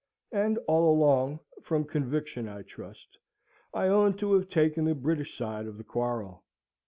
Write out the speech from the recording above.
And all along, from conviction I trust, I own to have taken the British side of the quarrel.